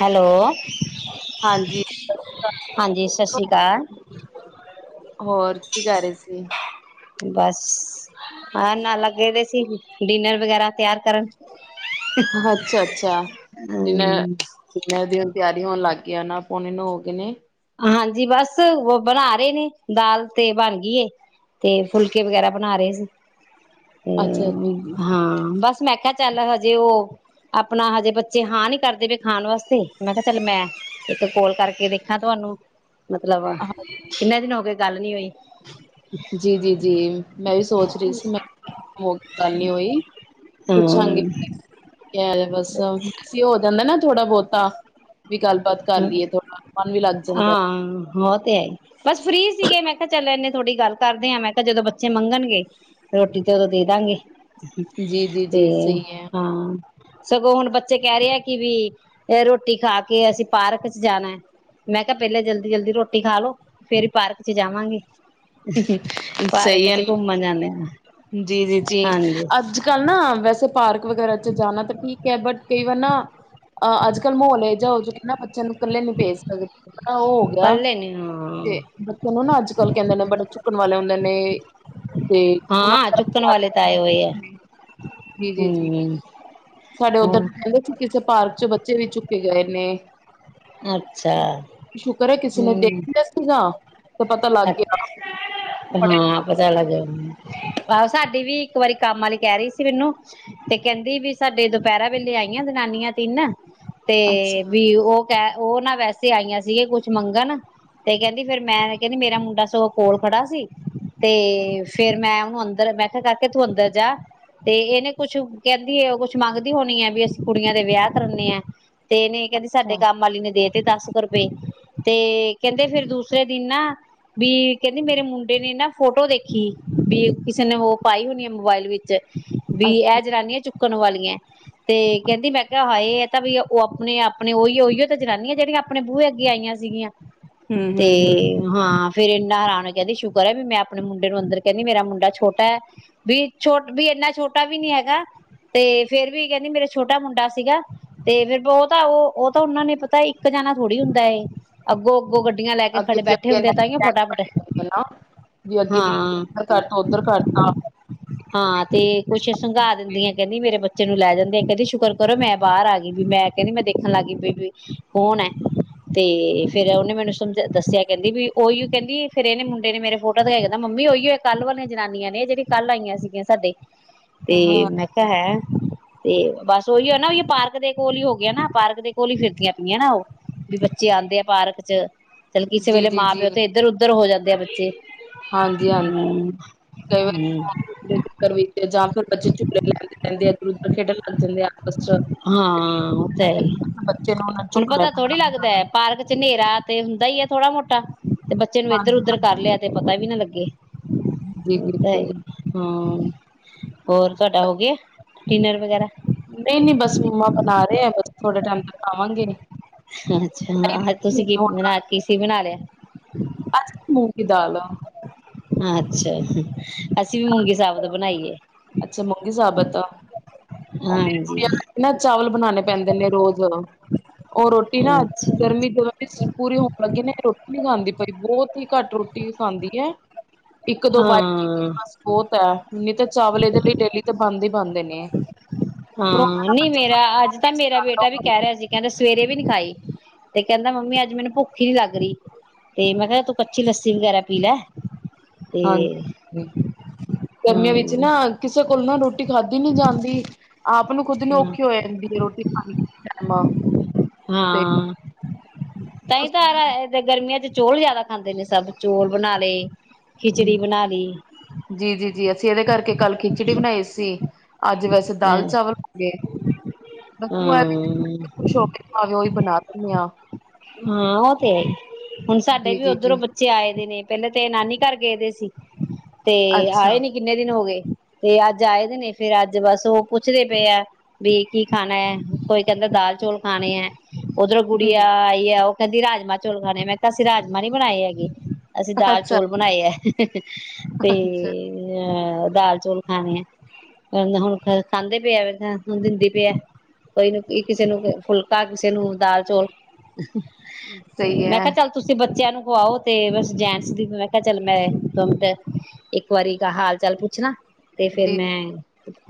Hello ਹਾਂਜੀ, ਹਾਂਜੀ ਸਤਿ ਸ਼੍ਰੀ ਅਕਾਲ ਹੋਰ ਕੀ ਕਰ ਰਹੇ ਸੀ ਬਸ ਹਾਂ ਨਾਲ ਲੱਗੇ ਦੇ ਸੀ ਡਿਨਰ ਵਗੈਰਾ ਤਿਆਰ ਕਰਨ ਅੱਛਾ ਅੱਛਾ ਡਿਨਰ ਹਮ ਡਨਰ ਦੀ ਤਿਆਰੀ ਹੋਣ ਲੱਗ ਗਿਆਈ ਨਾ ਆ ਪੋਣੇ ਨੌ ਹੋ ਗਏ ਨੇ ਹਾਂਜੀ ਬਸ ਉਹ ਬਣਾ ਰਹੇ ਨੇ ਦਾਲ ਤੇ ਬਣ ਗਈਏ ਤੇ ਫੁਲਕੇ ਵਗੈਰਾ ਬਣਾ ਰਹੇ ਸੀ ਤੇ ਅੱਛਾ, ਵੀ ਹਾਂ ਬਸ ਮੈਂ ਕਿਹਾ ਚੱਲ ਹਜੇ ਉਹ ਆਪਣਾ ਹਜੇ ਬੱਚੇ ਹਾਂ ਨੀ ਕਰਦੇ ਪਏ ਖਾਣ ਵਾਸਤੇ ਮੈਂ ਕਿਹਾ ਚੱਲ ਮੈਂ ਇੱਕ ਕੋਲ ਕਰਕੇ ਦੇਖ ਾਂ ਤੁਹਾਨੂੰ ਮਤਲਬ ਕਿੰਨੇ ਦਿਨ ਹੋ ਗਏ ਗੱਲ ਨਹੀਂ ਹੋਈ ਜੀ ਜੀ ਜੀ ਮੈਂ ਵੀ ਸੋਚ ਰਹੀ ਸੀ ਮੈਂ ਹੋ ਗੱਲ ਨੀ ਹੋਈ ਪੁੱਛਾਂਗੀ ਹਮ ਬਸ ਵੈਸੇ ਹੋ ਜਾਂਦਾ ਨਾ ਥੋੜਾ ਬਹੁਤ ਤਾਂਹ ਵੀ ਗੱਲਬਾਤ ਕਰ ਲਈਏ ਥੋੜਾ ਮਨ ਵੀ ਲੱਗ ਜਾਂਦਾ ਹੈ ਹੋ ਤੇ ਹੈਏ ਬਸ ਫਰੀ ਸੀਗੇ ਮੈਂ ਕਿਹਾ ਚੱਲ ਇਨੇ ਥੋੜ੍ਹੀ ਗੱਲ ਕਰਦੇ ਆਾਂ ਮੈਂ ਕਿਹਾ ਜਦੋਂ ਬੱਚੇ ਮੰਗਣਗੇ ਰੋਟੀ ਤੇ ਉਦੋਂ ਦੇ ਦਾਂਗੇ ਤੇ ਜੀ-ਜੀ-ਜੀ, ਸਹੀ ਹੈ। ਹਾਂ ਸਗੋਂ ਹੁਣ ਬੱਚੇ ਕਹਿ ਰਹੇ ਆ ਕਿ ਵੀ ਇਹ ਰੋਟੀ ਖਾ ਕੇ ਅਸੀਂ ਪਾਰਕ ਚ ਜਾਣਾ ਹੈ ਮੈਂ ਕਿਹਾ ਪਹਿਲੇਾਂ ਜਲਦੀ ਜਲਦੀ ਰੋਟੀ ਖਾ ਲੋ ਫੇਿਰ ਹੀ ਪਾਰਕ ਚ ਜਾਵਾਂਗੇ ਪਾਰਕ ਸਹੀ ਹੈ ਚ ਘੁੰਮਣ ਜਾਂਦੇ ਆ ਜੀ ਜੀ ਜੀ ਹਾਂਜੀ ਅੱਜ ਕੱਲ ਨਾ ਵੈਸੇ ਪਾਰਕ ਵਗੈਰਾ ਚ ਜਾਣਾ ਤਾਂ ਠੀਕ ਹੈ ਬਟ ਕਈ ਵਾਰ ਨਾ ਅਹ ਅੱਜ ਕੱਲ੍ਹ ਮਾਹੌਲੇ ਜਾ ਹੋ ਜ ਨਾ ਬੱਚਿਆਂ ਨੂੰ ਇਕੱਲੇ ਨੀ ਭੇਜ ਸਕਦੇ ਹਨ ਉਹ ਹੋ ਗਿਆ ਕੱਲੇ ਨੇ ਹਾਂ ਤੇ ਬੱਚੇ ਨੂੰ ਨਾ ਅੱਜ ਕੱਲ ਕਹਿੰਦੇ ਨੇ ੁੱਕਣ ਵਾਲੇ ਹੁੰਦੇ ਨੇ ਤੇ ਉਹਨਾਂ ਹਾਂ ਚੁੱਕਣ ਵਾਲੇ ਤਾਂ ਆਏ ਹੋਏ ਆ ਜੀ ਜੀ ਜ ਹਮ ਸਾਡੇ ਉੱਧਰ ਹ ਕਹਿੰਦੇ ਸੀ ਕਿਸੇ ਪਾਰਕ ਚ ਬੱਚੇ ਵੀ ਚੁੱਕੇ ਗਏ ਨੇ ਅੱਛਾ ਸ਼ੁਕਰ ਹੈ ਕਿਸੇ ਨੇ ਹਮ ਦੇਖ ਲਿਆ ਸੀਗਾ ਤੇ ਪਤਾ ਲੱਗ ਗਿਆ ਫੜਿਆ ਹਾਂ ਪਤਾ ਲੱਗੇ ਆਹੋ ਸਾਡੀ ਵੀ ਇੱਕ ਵਾਰੀ ਕੰਮ ਵਾਲੀ ਕਹਿ ਰਹੀ ਸੀ ਮੈਨੂੰ ਤੇ ਕਹਿੰਦੀ ਵੀ ਸਾਡੇ ਦੁਪਹਿਰਾ ਵੇਲੇ ਆਈਆਂ ਜਨਾਨੀਆਂ ਤਿੰਨ ਤੇ ਅੱਛਾ ਵੀ ਉਹ ਕ ਉਹ ਨਾ ਵੈਸੇ ਆਈਆਂ ਸੀਗੇ ਕੁਛ ਮੰਗਣ ਤੇ ਕਹਿੰਦੀ ਫੇਿਰ ਮੈਂ ਕਹਿੰਦੀ ਮੇਰਾ ਮੁੰਡਾ ਸਗੋਂ ਕੋਲ ਖੜਾ ਸੀ ਤੇ ਫੇਰ ਮੈਂ ਉਹਨੂੰ ਅੰਦਰ ਮੈਂ ਕਿਹਾਿਆ ਕਰਕੇ ਤੂੰ ਅੰਦਰ ਜਾ ਤੇ ਇਹਨੇ ਕੁਛ ਕਹਿੰਦੀ ਉਹ ਕੁਛ ਮੰਗਦੀ ਹੋਣੀ ਹੈ ਵੀ ਅਸੀਂ ਕੁੜੀਆਂ ਦੇ ਵਿਆਹ ਕਰੇ ਆ ਤੇ ਨੇ ਕਹਿੰਦੀ ਸਾਡੇ ਅੱਛਾ ਕੰਮ ਆਲੀ ਨੇ ਦੇ ਤੇ ਦੱਸ ਕੁ ਰੁਪਏ ਤੇ ਕਹਿੰਦੇ ਫੇਿਰ ਦੂਸਰੇ ਦਿਨ ਨਾ ਵੀ ਕਹਿੰਦੀ ਮੇਰੇ ਮੁੰਡੇ ਨੇ ਨਾ ਫੋਟੋ ਦੇਖੀ ਵੀ ਕਿਸੇ ਨੇ ਉਹ ਪਾਈ ਹੋਣੀ ਹੈ ਮੋਬਾਇਲ ਵਿੱਚ ਵੀ ਅੱਛਾ ਇਹ ਜਨਾਨੀਆਂ ਚੁੱਕ ਚੱਕਣ ਵਾਲੀਆਂ ਤੇ ਕਹਿੰਦੀ ਮੈਂ ਕਿਹਾ ਹਾਏ ਤਾਂ ਵੀ ਉਹ ਆਪਣੇ ਆਪਣੇ ਉਹੀ ਉਹੀ ਜਨਾਨੀਆਂ ਜਿਹੜੀਆਂ ਆਪਣੇ ਬੂਹੇ ਅੱਗੇ ਆਈਆਂ ਸੀ ਹੂੰ ਤੇ ਹੂੰ ਹੂੰ ਹਾਂ ਫੇਰ ਇੰਨਾ ਆਰਾਮ ਕਹਿੰਦੀ ਸ਼ੁਕਰ ਹੈ ਵੀ ਮੈਂ ਆਪਣੇ ਮੁੰਡੇ ਨੂੰ ਅੰਦਰ ਕਹਿੰਦੀ ਮੇਰਾ ਮੁੰਡਾ ਛੋਟਾ ਹੈ ਵੀ ਛੋ ਵੀ ਇਨਾ ਛੋਟਾ ਵੀ ਨੀ ਹੈਗਾ ਤੇ ਫੇਰ ਵੀ ਕਹਿੰਦੀ ਮੇਰਾ ਛੋਟਾ ਮੁੰਡਾ ਸੀਗਾ ਤੇ ਫੇਿਰ ਉਹ ਤਾਂ ਉਹ ਤਾਂ ਉਹਨਾਂ ਨੇ ਪਤਾ ਇੱਕ ਜਾਣਾ ਥੋੜ੍ਹੀ ਹੁੰਦਾ ਏ ਅੱਗੋਂ ੱ ਗੱਡੀਆਂ ਲੈ ਕੇ ਅੱਗੇ ਖੜੇ ਦੀ ਬੈਠੇ ਅੱਗੇ ਹੁੰਦੇ ਲੈ ਆ ਕੇ ਤਹੀਓ ਜਾਣੀ ਫਟਾਫਟ ਪੈਂਦੀ ਹੈ ਨਾ। ਜੇ ਅੱਗੇ ਦੀ ਹਾਂ ਇੱਧਰ ਘੱਟ ਉੱਧਰ ਘੱਟ ਤਾਂ ਹਾਂ ਤੇ ਕੁਛ ਸੰਘਾ ਦਿੰਦੀਆਂ ਕਹਿੰਦੀ ਮੇਰੇ ਬੱਚੇ ਬੱਚੇ ਨੂੰ ਲੈ ਜਾਂਦੇ ਆ ਕਹਿੰਦੀ ਸ਼ੁਕਰ ਕਰੋ ਮੈਂ ਬਰ ਆ ਗਈ ਵੀ ਮੈਂ ਕਹਿੰਦੀ ਮੈਂ ਦੇਣ ਲੱਗ ਗਈ ਕੌਣ ਹੈ ਤੇ ਫੇਰ ਉਹਨੇ ਮੈਨੂੰ ਸਮਝ ਦੱਸਿਆ ਕਹਿੰਦੀ ਵੀ ਉਹੀ ਕਹਿੰਦੀ ਫੇਰ ਇਹਨੇ ਮੁੰਡੇ ਨੇ ਮੇਰੇ ਫੋਟੋ ਦਿਖਾਇਆ ਕਹਿੰਦਾ ਮੰਮੀ ਉਹੀਏ ਕੱਲ ਵਾਲੀਆਂ ਜਨਾਨੀਆਂ ਨੇ ਜਿਹੜੀ ਕੱਲ ਆਈਆਂ ਸੀਗੀਆਂ ਸਾਡੇ। ਤੇ ਹਾਂ ਮੈਂ ਕਿਹਾ ਹੈ, ਤੇ ਬਸ ਉਹੀ ਹੈ ਨਾ ਉਹੀ ਪਾਰਕ ਦੇ ਕੋਲ ਹੀ ਹੋ ਗਿਆ ਨਾ ਪਾਰਕ ਦੇ, ਘੋਲੀ ਫਿਰਦੀਆਂ ਪਈਆਂ ਨਾ ਉਹ ਵੀ ਬੱਚੇ ਆਦੇ ਆ ਪਾਰਕ ਚ, ਚੱਲ ਕਿਸੇ ਜੀ ਵੇਲੇ ਮਾਂ ਪਿਓ ਤੇ ਇੱਧਰ ਉਧਰ ਉੱਧਰ ਹੋ ਜਾਂਦੇ ਆ ਬੱਚੇ, ਹਾਂਜੀ-ਹਾਂਜੀ, ਹਮ ਕਈ ਵਾਰੀ ਹਮ ਫੋਨ ਫੁਨ ਦੇ ਵਿੱਚ ਜਾਂ ਫਿਰ ਬੱਚੇ ਝੂਲੇ ਲੈਂਦੇ ਰਹਿੰਦੇ। ਖੇਡਣ ਲੱਗ ਜਾਂਦੇ ਆ ਆਪਸ ਚ ਹਾਂ ਉਹ ਤਾਂ ਹੀ ਬੱਚੇ ਨੂੰ ਉਹਨਾਂ ਹੁਣ ਚੁੱਕ ਪਤਾ ਲੈਣਾ ਥੋੜ੍ਹੀ ਲੱਗਦਾ ਪਾਰਕ ਚ ਹਨੇਰਾ ਤੇ ਹੁੰਦਾ ਹੀ ਹੈ ਥੋੜਾ ਮੋਟਾ [unintelligible] ਤੇ ਬੱਚੇ ਨੂੰ ਇੱਧਰ ਹਾਂਜੀ ਉਧਰ ਕਰ ਹਾਂਜੀ ਲਿਆ ਤੇ ਪਤਾ ਵੀ ਨਾ ਲੱਗੇ ਜੀ ਜੀ ਤਾਂ ਸਹੀ ਹਾਂ ਹੋਰ ਘਟਾ ਹੋ ਗਿਆ। ਡਿਨਰ ਵਗੈਰਾ, ਨਹੀਂ-ਨਹੀਂ, ਬਸ ਮੰਮਾ ਬਣਾ ਰਹੇ ਹੈ ਬਸ ਥੋੜੇ ਟਾਈਮ ਤੱਕ ਖਾਵਾਂਗੇ। ਅੱਛਾ, ਤੁਸੀਂ ਕੀ ਬਣਾ ਕੀ ਸੀ ਬਣਾ ਲਿਆ। ਅ ਮੂਕ ਕੀ ਦਾਲ, ਅੱਛਾ ਅਸੀਂ ਵੀ ਮੂੰਗੀ ਸਾਬਤ ਬਣਾਈਏ। ਅੱਛਾ ਮੂੰਗੀ ਸਾਬਤ ਆ ਉਹ ਮੇਰੀ ਹਾਂਜੀ ਕੁੜੀ ਨਾ ਚਾਵਲ ਬਣਾਣੇ ਪੈਂਦੇ ਨੇ ਰੋਜ਼ ਉਹ ਰੋਟੀ ਨਾ ਅੱਛਾ ਗਰਮੀ ਜੀ ਪੂਰੀ ਹੋਣ ਲੱਗੀ ਨਾ ਰੋਟੀ ਨੀ ਖਾਂਦੀ। ਬਾਈ ਬਹੁਤ ਹੀ ਘੱਟ ਰੋਟੀ ਖਾਂਦੀ ਹੈ। ਇੱਕ ਦੋ ਬਾਰੀ ਹਾਂ ਬਸ ਬਹੁਤ ਹੈ ਤਾਂ ਚਾਵਲ ਇਹਦੇ ਲਈ ਡੇਲੀ ਤੇ ਬਣਦ ਹੀ ਬਣਦੇ ਨੇ, ਕਰੋਨਾ ਹਾਂ ਦਾ ਨਹੀਂ ਬੱਚਾ ਮੇਰਾ ਅੱਜ ਤਾਂ ਮੇਰਾ ਬੇਟਾ ਵੀ ਕਹਿ ਰਿਹਾ ਸੀ ਕਹਿੰਦੇ ਸਵੇਰੇ ਵੀ ਨੀ ਖਾਈ ਤੇ ਕਹਿੰਦਾ ਮੰਮੀ ਅੱਜ ਮੈਨੂੰ ਭੁੱਖੀ ਨੀ ਲੱਗ ਰਹੀ ਤੇ ਮੈਂ ਕਿਹਾ ਤੂੰ ਕੱਚੀ ਲੱਸੀ ਵਗੈਰਾ ਪੀ ਲੈ, ਤੇ ਹਾਂਜੀ ਗਰਮੀਆਂ ਵਿੱਚ ਹਮ ਨਾ ਕਿਸੇ ਕੋਲ ਨਾ ਰੋਟੀ ਖਾਧੀ ਨੀ ਜਾਂਦੀ। ਆਪ ਨੂੰ ਖੁਦ ਨੂੰ ਔਖੀ ਹੋ ਜਾਂਦੀ ਹੈ ਰੋਟੀ ਖਾਣੀ [unintelligible] ਤੇ ਹਾਂ, ਤਾਂ ਤਾਂ ਯਾਰ ਗਰਮੀਆਂ ਚ ਚੋਲ ਜ਼ਿਆਦਾ। ਖਾਂਦੇ ਨੇ ਸਭ ਚੋਲ ਬਣਾ ਲਏ। ਖਿਚੜੀ ਹੂੰ, ਬਣਾ ਲਈ। ਜੀ ਜੀ ਜੀ ਇਹਦੇ ਕਰਕੇ ਕੱਲ ਖਿਚੜੀ ਬਣਾਈ ਸੀ। ਅੱਜ ਵੈਸੇ ਦਾਲ ਹਮ ਚਾਵਲ ਹੋ ਗਏ ਬਸ ਹਾਂ ਖੁਸ਼ ਹੋ ਖਾਵੇ ਔਹੀ, ਬਣਾ ਦਿੰਨੀ ਆ। ਹਾਂ ਉਹ ਤੇ ਹੈ ਹੀ ਹੁਣ ਸਾਡੇ ਜੀ, ਵੀ ਜੀ, ਉੱਧਰੋਂ ਜੀ ਬੱਚੇ ਆਏ ਦੇ ਨੇ, ਪਹਿਲਾਂ ਤੇਰੇ ਨਾਨੀ ਘਰ ਗਏ ਦੇ ਸੀ। ਤੇ ਆਏ ਅੱਛਾ, ਨੀ ਕਿੰਨੇ ਦਿਨ ਹੋ ਗਏ। ਤੇ ਅੱਜ ਆਏ ਦੇ ਨੇ ਫਿਰ ਅੱਜ ਬਸ ਉਹ ਪੁੱਛਦੇ ਪਏ ਆ ਵੀ ਕੀ ਖਾਣਾ ਹੈ ਕੋਈ ਕਹਿੰਦਾ ਦਾਲ ਚੌਲ ਖਾਣੇ ਹੈ ਉਧਰੋਂ ਗੁੜੀਆ ਆਈ ਉਹ ਕਹਿੰਦੀ ਰਾਜਮਾਂ ਚੌਲ ਖਾਣੇ ਮੈਂ ਕਿਹਾ ਤਾਂ ਅਸੀਂ ਰਾਜਮਹ ਨੀ ਬਣਾਏ ਹੈਗੇ ਅਸੀਂ ਦਾਲ ਅੱਛਾ, ਚੌਲ ਬਣਾਏ ਹੈ ਤੇ ਅੱਛਾ। ਅ ਦਾਲ ਚੌਲ ਖਾਣੇ ਆ ਹੁਣ ਖਾਂਦੇ ਪਏ ਆ ਦਿੰਦੀ ਪਿਆ ਆ ਕੋਈ ਨੂੰ ਕਿਸੇ ਨੂੰ ਫੁਲਕਾ ਕਿਸੇ ਨੂੰ ਦਾਲ ਚੌਲ ਸਹੀ ਮੈਂ ਹੈ ਕਿਹਾ ਚੱਲ ਤੁਸੀਂ ਬੱਚਿਆਂ ਨੂੰ ਉਹ ਆਓ ਤੇ ਬਸ ਜੈਂਟਸ ਦੀ ਮੈਂ ਕਿਹਾ ਚੱਲ ਮੈਂ ਦੋਮਿੰਟ ਇੱਕ ਵਾਰੀ ਹਾਲ ਚਾਲ ਪੁੱਛਣਾ ਤੇ ਫਿਰ ਜੀ ਮੈਂ ਅੱਛਾ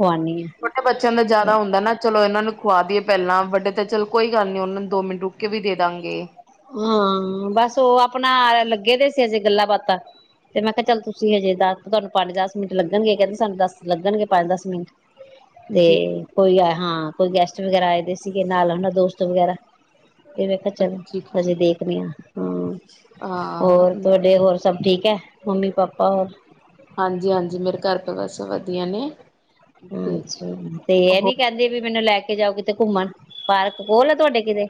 ਛੋਟੇ ਬੱਚਿਆਂ ਦਾ ਜ਼ਿਆਦਾ ਹੁੰਦਾ ਨਾ ਚਲੋ ਇਹਨਾਂ ਨੂੰ ਖੁਵਾਈਏ ਪਹਿਲਾਂ ਵੱਡੇ ਤਾਂ ਚਲ ਕੋਈ ਗੱਲ ਨੀ ਉਹਨਾਂ ਨੂੰ ਦੋ ਮਿੰਟ ਰੁਕ ਕੇ ਵੀ ਦੇ ਦਾਂਗੇ ਹਾਂ ਬਸ ਉਹ ਆਪਣਾ ਲੱਗੇ ਦੇ ਸੀ ਹਜੇ ਗੱਲਾਂ ਬਾਤਾਂ ਤੇ ਮੈਂ ਕਿਹਾ ਚੱਲ ਤੁਸੀਂ ਹਜੇ ਦੱਸ ਤੁਹਾਨੂੰ ਪੰਜ ਦਸ ਮਿੰਟ ਲੱਗਣਗੇ ਕਹਿੰਦੇ ਸਾਨੂੰ ਦੱਸ ਲੱਗਣਗੇ ਪੰਜ ਦਸ ਮਿੰਟ ਤੇ ਜੀ ਕੋਈ ਹਾਂ ਕੋਈ ਗੈਸਟ ਵਗੈਰਾ ਆਏ ਦੇ ਸੀਗੇ ਨਾਲ ਉਹਨਾਂ ਦੋਸਤ ਵਗੈਰਾ ਇਹਵੇਖ ਚੱਲ ਠੀਕ, ਅਸੀਂ ਠੀਕ। ਦੇਖਦੇ ਹਾਂ ਹਾਂ ਹਾਂ ਹੋਰ ਤੁਹਾਡੇ ਹੋਰ ਸਭ ਠੀਕ ਹੈ ਮੰਮੀ ਪਾਪਾ ਰ ਹਾਂਜੀ ਹਾਂਜੀ ਮੇਰੇ ਘਰ ਬਸ ਵਧੀਆ ਤੇ ਅੱਛਾ ਤੇ ਇਹ ਉਹ ਨੀ ਕਹਿੰਦੇ ਵੀ ਮੈਨੂੰ ਲੈ ਕੇ ਜਾਓ ਕਿਤੇ ਘੁੰਮਣ ਪਾਰਕ ਕੋਲ ਆ ਤੁਹਾਡੇ ਕਿਤੇ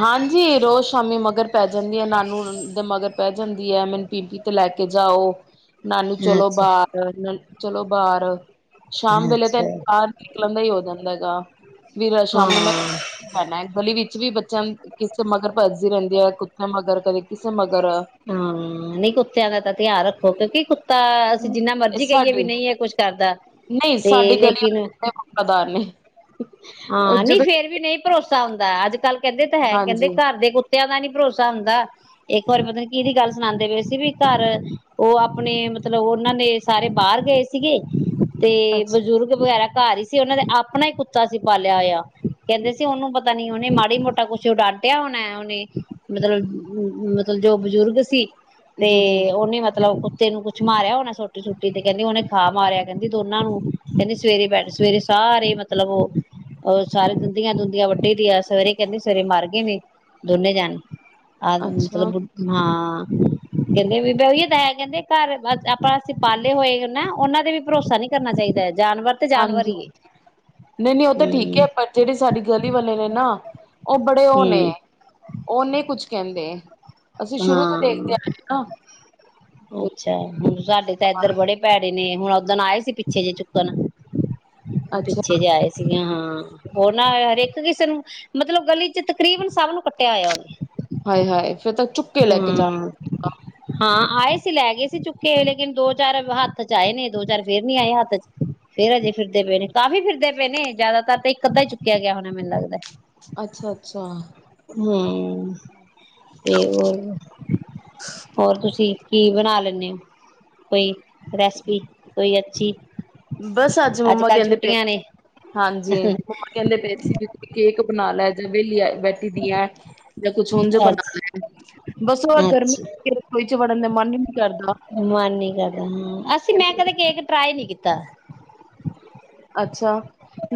ਹਾਂਜੀ ਰੋਜ਼ ਸ਼ਾਮੀ ਮਗਰ ਪੈ ਜਾਂਦੀ ਹੈ ਨਾਨੂ ਦੇ ਮਗਰ ਪੈ ਜਾਂਦੀ ਹੈ ਮੈਨੂੰ ਪੀਪੀ ਤੇ ਲੈ ਕੇ ਜਾਓ ਨਾਨੂੰ ਚਲੋ ਅੱਛਾ, ਬਰ ਚਲੋ ਬਾਹਰ ਸ਼ਾਮ ਵੇਲੇ ਅੱਛਾ। ਤਾਂੂੰ ਬਾਹਰ ਨਿਕਲਣ ਦਾ ਹੀ ਹੋ ਜਾਂਦਾ ਗਾ ਵੀਰ ਹਾਂ। ਸ਼ਾਮ ਨੂੰ ਮੈਂ ਗਲੀ ਵੀ ਚ ਵੀ ਬ ਚੰਦ ਕਿਸੇ ਮਗਰ ਭੱਜਜੀ ਰਹਿੰਦੀ ਹੈ, ਕੁੱਤੇ ਮਗਰ, ਕਦੇ ਕਿਸੇ ਮਗਰ, ਹਾਂ ਨਹੀਂ ਕੁੱਤਿਆਂ ਦਾ ਤਾਂ ਧਿਆਨ ਰੱਖੋ ਕਿਉਂਕਿ ਕੁੱਤਾ ਅਸੀਂ ਜਿੰਨਾ ਮਰਜੀ ਕਹੀਏ ਸਾਡੀ ਵੀ ਨਹੀਂ ਇਹ ਕੁਛ ਕਰਦਾ ਨਹੀਂ ਤੇ ਸਾਡੀ ਗਲੀ ਲੇਕਿਨ ਵਫ਼ਾਦਾਰ ਨੇ ਉਹ ਹਾਂ ਨੀ ਜਦੋਂ ਫੇਰ ਵੀ ਨਹੀਂ ਭਰੋਸਾ ਹੁੰਦਾ ਅੱਜ ਕੱਲ ਕਹਿੰਦੇ ਤਾਂ ਹੈ ਕਹਿੰਦੇ ਹਾਂਜੀ ਘਰ ਦੇ ਕੁੱ ਤਿਆਂ ਦਾ ਨੀ ਭਰੋਸਾ ਹੁੰਦਾ ਇੱਕ ਵਾਰੀ ਪਤਾ ਨੀ ਕਿਦੀ ਗੱਲ ਸੁਨਂਦੇ ਪਏ ਸੀ ਵੀ ਘਰ ਉਹ ਆਪਨੇ ਮਤਲਬ ਉਹਨਾਂ ਨੇ ਸਾਰੇ ਬਾਹਰ ਗਏ ਸੀਗੇ ਤੇ ਅੱਛਾ ਬਜ਼ੂਰਗ ਵਗੈਰਾ ਘਰ ਹੀ ਸੀ ਉਹਨਾਂ ਦੇ ਆਪਣਾ ਹੀ ਕੁੱਤਾ ਸੀ ਪਾਲਿਆ ਹੋਇਆ ਕਹਿੰਦੇ ਸੀ ਉਹਨੂੰ ਪਤਾ ਨੀ ਉਹਨੇ ਮਾੜੀ ਮੋਟਾ ਕੁਛ ਡਾਂਟਿਆ ਹੋਣਾ ਉਹਨੇ ਮਤਲਬ ਮਤਲਬ ਜੋ ਬਜ਼ੁਰਗ ਸੀ ਤੇ ਜੀ ਜੀ ਉਹ ਨੇ ਮਤਲਬ ਕੁਤੇ ਨੂੰ ਕੁੱਛ ਮਾਰਿਆ ਹੋਨੈ ਸੋਟੀ ਸੁਟੀ ਤੇ ਕਹਿੰਦੀ ਉਹਨੇ ਖਾ ਮਾਰਿਆ ਕਹਿੰਦੀ ਦੋਨਾਂ ਨੂੰ ਕਹਿੰਦੀ ਸਵੇਰੇ ਬੈਠ ਸਵੇਰੇ ਸਾਰੇ ਮਤਲਬ ਉਹ ਉਹਰ ਸਾਰੇ ਦੰਦੀਆਂ ਦੁੰਦੀਆਂ ਵੱਢੇ ਦੀ ਆ ਸਵੇਰੇ ਕਹਿੰਦੀ ਸਵੇਰੇ ਮਰ ਗਏ ਨੇ ਦੋਨੇ ਜਾਣੇ ਆ ਅੱਛਾ ਮਤਲਬ ਹਾਂ ਕਹਿੰਦੇ ਵੀ ਬ ਉਹੀਏ ਤਾਂ ਹੈ ਕਹਿੰਦੇ ਘਰ ਆਪਾਂ ਅਸੀਂ ਪਾਲੇ ਹੋਏ ਨੇ ਨਾ ਉਹਨਾਂ ਦੇ ਵੀ ਭਰੋਸਾ ਨੀ ਕਰਨਾ ਚਾਹੀਦਾ। ਜਾਨਵਰ ਤੇ ਜਾਨਵਰ ਹੀ ਹਾਂਜੀ ਏ। ਨਹੀਂ-ਨਹੀਂ ਉਹ ਤਾਂ ਠੀਕ ਏ ਪਰ ਜਿਹੜੇ ਸਾਡੀ ਗਲੀ ਵਾਲੇ ਨੇ ਨਾ ਉਹ ਬੜੇ ਉਹ ਨੇ ਹਮ ਉਹਨੇ ਕੁਛ ਕਹਿੰਦੇ ਅਸੀਂ ਸ਼ੁਰੂ ਤੋਂ ਹਾਂ ਦੇਖਦੇ ਆਏ ਨਾ ਤੇ ਅੱਛਾ ਹੁਣ ਸਾਡੇ ਤਾਂ ਹਾਂ, ਏਧਰ ਬੜੇ ਪੈੜੇ ਹੁਣ ਓਦਣ ਆਏ ਸੀ ਪਿੱਛੇ ਜਿ ਚੁੱਕਣ ਅੱਛਾ ਪਿੱਛੇ ਜਾਏ ਸੀਗੇ ਹਾਂ। ਉਹ ਨਾ ਹਰੇਕ ਕਿਸੇ ਨੂੰ ਮਤਲਬ ਗਲੀ ਚ ਤਕਰੀਬਨ ਸਭ ਨੂੰ ਕੱਟਿਆ ਹੋਇਆ ਉਹਨੇ। ਆਏ ਹਾਏ ਫਿਰ ਤ ਚੁੱਕ ਕੇ ਲੈ ਕੇ ਹਾਂ ਜਾਣਾ ਹਾਂ ਆਏ ਸੀ ਲੈ ਗਏ ਸੀ ਚੁੱਕਕੇ ਲੇਕਿਨ ਦੋ ਚਾਰ ਹੱਥ ਚ ਆਏ ਨੇ ਦੋ ਚਾਰ ਫੇਰ ਨੀ ਆਏ ਹੱਥ ਚ ਫੇਰ ਅਜੇ ਫਿਰਦੇ ਪਏ ਨੇ ਕਾਫ਼ੀ ਫਿਰਦੇ ਪਏ ਨੇ ਜ਼ਿਆਦਾਤਰ ਤੇ ਇੱਕ ਅੱਧਾ ਹੀ ਚੁੱਕਿਆ ਗਿਆ ਹੋਣਾ ਮੈਨੂੰ ਲੱਗਦਾ ਹੇ। ਅੱਛਾ ਅੱਛਾ ਹਮ ਤੇ ਹੋਰ ਹੋਰ ਤੁਸੀਂ ਕੀ ਬਣਾ ਲੈਂਨੇ ਹੋ ਕੋਈ ਰੈਸਪੀ ਕੋਈ ਅਛੀ ਬਸ ਅੱਜ ਮੰਮਾ ਕਹਿੰਦੇ ਪਏ ਨੇ ਹਾਂਜੀ ਮੰਮਾ ਕਹਿੰਦੇ ਪਏ ਸੀ ਕੇਕ ਬਨਾ ਲੈ ਜਾਂ ਵਹਲੀ ਆ ਬ ਦੀ ਹੈ, ਜਾਂ ਕੁਛ ੳਂਜ ਅੱਜ ਬਨਾ ਲੈ, ਬਸ ਉਹ ਗਰਮੀ ਅੱਛਾ ਵੜਨ ਮਨ ਹੀ ਨੀ ਕਰਦਾ ਮਨ ਨੀ ਕਰਦਾ ਅਸੀਂ ਮੈਂ ਕਹਿੰਦੇ ਕਦੇ ਕੇਕ ਟਰਾਈ ਨੀ ਕੀਤਾ ਕੀਤਾ [unintelligible] ਅੱਛਾ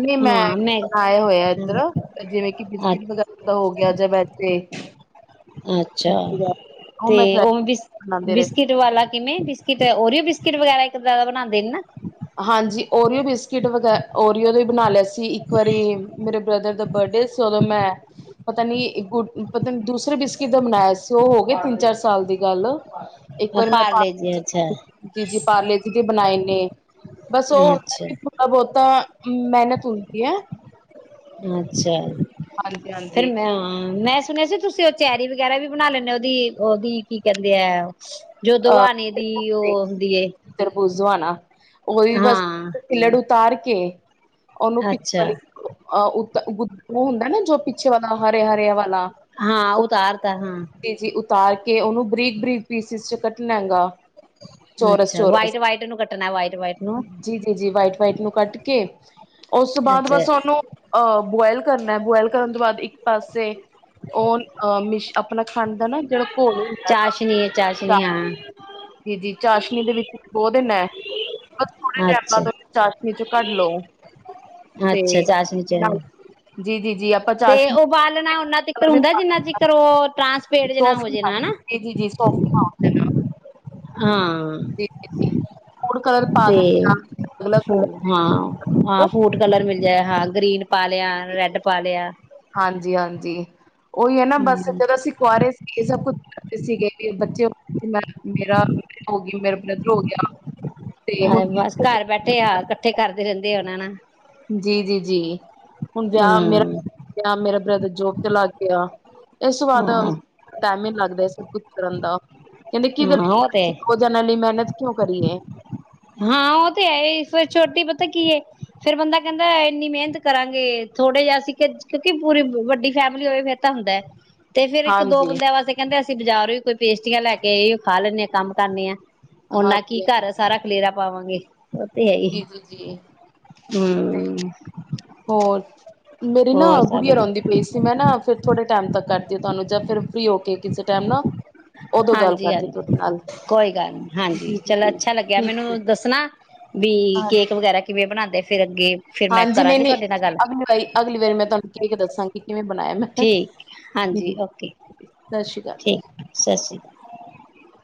ਨੀ ਮੈਂ ਬਣਾਏ ਹੋਇਆ ਇੱਧਰ ਜਿਵੇਂ ਕਿ ਅ ਬਿਸਕਿਟ ਵਗੈਰਾ ਹੋ ਗਿਆ ਜਾਂ ਵੈਸੇ ਅੱਛਾ ਉਹ ਤੇ ਮੈਂ ਟਰਾਈ ਉਹ ਬਿ ਬਣਾਉਂਦੇ ਰਹੇ ਬਿਸਕਿਟ ਵਾਲਾ ਕਿਵੇਂ ਬ ਉਰੀਓ ਬਿਸਕਿਟ ਵਗੈਰਾ ਇੱਕ ਤਰ੍ਹਾਂ ਬਨਾਂਨਦੇ ਨੇ ਨਾ ਹਾਂਜੀ ਓਰੀਓ ਬਿਸਕਿਟ ਵੈ, ਓਰੀਓ ਦਾ ਬਣਾ ਲਿਆ ਸੀ। ਇੱਕ ਵਾਰੀ ਮੇਰੇ ਬ੍ਰਦਰ ਦਾ ਬਰਡੇ ਸੀ। ਉਦੋਂ ਮੈਂ, ਪਤਾ ਨੀ ਗੁ ਪਤਾ ਦੂਸਰੇ ਬਿਸਕਿਟ ਦਾ ਮਨਾਇਆ ਸੀ। ਉਹ ਹੋ ਗਏ ਤਿੰਨ -ਚਾਰ ਸਾਲ ਦੀ ਗੱਲ ਇੱਕ ਵਾਰੀ ਮੈਂ ਪਾਰਲੇ ਜੀ ਅੱਛਾ ਪ- ਜ ਜੀ ਪਾਰਲੇ ਦੀ ਤੇ ਬਣਾਏ ਨੇ। ਨੇ ਬਸ ਉਹ [unintelligible] ਹੁੰਦਾ ਅੱਛਾ ਵੀ ਥੋੜਾ ਬਹੁਤਾ ਮਿਹਨਤ ਹੁੰਦੀ ਹੈ। ਅੱਛਾ। ਹਾਂਜੀ ਫਿਰ ਹਾਂਜੀ ਮੈਂ, ਮੈਂ ਸੁਣਿਆ ਸੀ। ਤੁਸੀਂ ਉਹ ਚੈਰੀ ਵਗੈਰਾ ਵੀ ਬਣਾ ਲੈਂਦੇ ਹੋ। ਉਹਦੀ ਉਹਦੀ, ਕੀ ਕਹਿੰਦੇ ਆ ਜੋ ਦਵਾਾਨੇ ਦੀ ਉਹ ਦੀਏ ਦਾਵਾਨਾ ਉਹਹੀ ਬਸ ਕਿਲੜੂ ਉਤਾਰ ਕੇ ਓਨੋ ਪਿਕ ਅੱਛਾ ਵਾਲੀ ਅਹ ਉੱ ਹੁੰਦਾ ਨਾ ਜੋ ਪਿੱਛੇ ਵਾਲਾ ਹਰੇ -ਹਰਿਆ ਵਾਲਾ ਹਾਂ। ਉਹ ਉਤਾਰ ਤਾਂ ਉਹ ਜੀ ਉਤਾਰ ਕੇ ਉਹਨੂੰ ਬਰੀਕ -ਬਰੀਕ ਪੀਸਿਸ ਚ ਕੱਟਣਾ ਹੈਗਾ। ਚੋਰਸ- ਅੱਛਾ ਚੋਰਸ ਵਾਈਟ ਵਾਈਟ ਨੂੰ ਕੱਟਣਾ ਵਾਈਟ ਵਾਈਟ ਨੂੰ ਜੀ -ਜੀ -ਜੀ ਵਾਈਟ- ਵਾਈਟ ਨੂੰ ਕੱਟ ਕੇ, ਉਸ ਤੋਂ ਬਾਅਦ ਅੱਛਾ ਬਸ ਉਹਨੂੰ, ਅਹ ਬੁਇਲ ਕਰਨਾ। ਬੁਆਇਲ ਕਰਨ ਤੋਂ ਬਾਅਦ ਇੱਕ ਪਾਸੇ ਉਹ, ਅਹ ਮਿਸ਼ ਆਪਣਾ ਖੰਡ ਦਾ ਨਾ ਜਿਹੜਾ ਘੋਲ ਹੁੰਦਾ ਚਾਸ਼ਨੀ ਆ ਗਾ ਚਾਸ਼ਣੀ ਹਾਂ। ਜੀ ਜੀ ਚਾਸ਼ਨੀ ਦੇ ਵਿੱਚ ਇੱਕ ਬਹੁ ਦੇਨ ਹੈ। ਅੱਛਾ ਲਓ ਤੇ -ਅੱਛਾ ਚਾਸ਼ਨੀ ਚ ਨਾਲ ਆਪਾਂ ਤੇ ਚਾਸ਼ਨੀ ਜ ਨਾ ਹੋ ਸੋਫਟ ਜੇ ਨਾ ਹਨਾ। ਜ- ਜੀ- ਜੀ ਸੋਫਟ ਮ [unintelligible] ਹਾਂ। ਫੂਡ ਕਲਰ ਪਾ ਤੇ, ਦੇਣਾ ਅਲੱਗ-ਅਲੱਗ ਹਾਂ -ਹਾਂ ਫੂਟ ਕਲਰ ਮਿਲਦਾ ਕੈ ਹਾਲ ਹਾਂਜੀ- ਹਾਂਜੀ ਉਹੀ ਹੈ। ਨਾ ਬਸ ਹੂੰ ਜਦੋਂ ਅਸੀਂ ਕੁਆਰੇ ਸੀਗੇ। ਸਭ ਕੁਛ ਕਰਦੇ ਸੀਗੇ। ਬੱਚੇ ਤੇ ਮੈਂ ਮੇਰਾ ਹੋ ਗ ਮੇਰੇ ਨ ਦਰੋ ਗਿਆ [unintelligible] ਹਾਂ ਬਸ ਘਰ ਬੈਠੇ ਆ ਇਕੱਠੇ ਕਰਦੇ ਰਹਿੰਦੇ ਆ ਬਣਾਣਾ ਜੀ -ਜੀ -ਜੀ ਹੁਣ ਵਿਆਹ ਮੇਰਾ ਹੂੰ ਵਿਆਹ ਮੇਰਾ ਬ੍ਰਦਰ ਜੋਬ ਤੇ ਲੱਗ ਗਿਆ। ਇਸ ਤੋਂ ਬਾਅਦ ਹਾਂ ਟੈਮ ਨੀ ਲਗ ਦੇ ਸਭ ਕੁੱਛ ਕਰਨ ਦਾ ਕਹਿੰਦੇ ਕਿਹਦੇ ਲਈ ਹਾਂ ਉਹ [unintelligible] ਤੇ ਦੋ ਜਾਣਾ ਦੀ ਮਿਹਨਤ ਕਿਉਂ ਕਰੀਏ? ਹਾਂ ਉਹ ਤੇ ਹੈ ਫਿਰ ਛੋਟੀ ਪਤਾ ਕੀ ਹੈ ਫਿਰ ਬੰਦਾ ਕਹਿੰਦਾ ਇੰਨੀ ਮਿਹਨਤ ਕਰਾਂਗੇ ਥੋੜ੍ਹੇ ਜਿਹਾ ਅਸੀ ਕਿਉਂ ਕਿ ਪੂਰੀ ਵੱਡੀ ਫੈਮਿਲੀ ਹੋਵੇ ਫਿਰ ਤਾਂ ਹੁੰਦਾ ਐ। ਤੇ ਫੇਰ ਇੱਕ ਦੋ ਹਾਂਜੀ ਬੰਦਿਆਂ ਵਾਸਤੇ ਕਹਿੰਦੇ ਅਸੀ ਪਿੰਡ ਜਾ ਰਹੇ ਕੋਈ ਪੇਸਟਰੀਆਂ ਲੈ ਕੇ ਇਹ ਖਾ ਲੈਂਨੇ ਹਾਂ। ਕੰਮ ਕਰਨੇ ਆ ਓਨਾ ਕੀ ਹਾਂਜੀ ਘਰ ਹਾਂਜੀ ਸਾਰਾ ਤੇਰਾ ਪਾਵਾਂਗੇ ਉਹ ਤੇ ਹੈ ਹੀ ਜੀ ਜੀ ਜੀ ਤੇ ਹੂੰ ਹੋਰ ਮੇਰੀ ਨਾ ਗੁੜੀਆ ਰੋਂਂਦੀ ਪਈ ਸੀ ਮੈਂ ਨਾ ਫੇਰ ਥੋੜ੍ਹੇ ਟਾਈਮ ਬਸ ਕਰਦੀ ਤੁਹਾਨੂੰ ਜਾਂ ਫਿਰ ਫਰੀ ਹੋ ਕੇ ਕਿਸੇ ਟਾਈਮ ਨਾਲ ਉਦੋਂ ਗੱਲ ਹਾਂਜੀ ਕਰਦੀ ਤੁਹਾਡੇ ਹਾਂਜੀ ਨਾਲ ਕੋਈ ਗੱਲ ਨੀ ਹਾਂਜੀ ਜੀ ਚਲੋ ਜੀ ਅੱਛਾ ਲੱਗਿਆ ਠੀਕ ਜੀ। ਮੈਨੂੰ ਦੱਸਣਾ ਵੀ ਕੇਕ ਵਗੈਰਾ ਕਿ ਬਣਾਂਦੇ ਫਿਰ ਅੱਗੇ ਫਿਰ ਮੈਂ ਹਾਂਜੀ ਨਈ ਕਰਾਂਗੀ ਨਈ ਤੁਹਾਡੇ ਨਾਲ ਗੱਲ ਮੈਂ ਅਗਲੀ ਵਾਰੀ ਅਗਲੀ ਵਾਰੀ ਮੈਂ ਤੁਹਾਨੂੰ ਕੇਕ ਦੱਸਾਂਗੀ ਕਿਵੇਂ ਬਣਾਇਆ ਠੀਕ ਹਾਂਜੀ ਓਕੇ [unintelligible] ਠੀਕ ਸਤਿ ਸ਼੍ਰੀ ਅਕਾਲ।